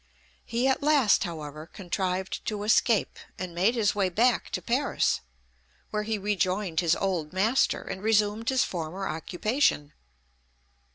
He at last, however, contrived to escape, and made his way back to Paris, where he rejoined his old master, and resumed his former occupation.